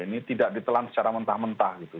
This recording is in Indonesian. ini tidak ditelan secara mentah mentah gitu